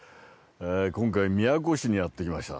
今回宮古市にやってきました。